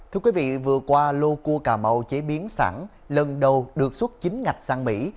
thưa quý vị vừa qua lô cua cà mau chế biến sẵn lần đầu được xuất chính ngạch sang mỹ